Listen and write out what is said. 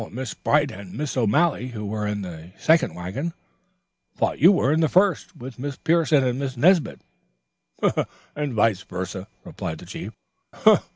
"Miss Bright and Miss O'Malley, who were in the second wagon, thought you were in the first with Miss Pierson and Miss Nesbit, and vice versa," replied the chief.